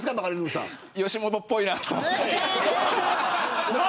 吉本っぽいなと思って。